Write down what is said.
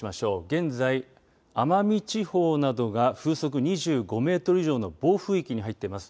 現在、奄美地方などが風速２５メートル以上の暴風域に入っています。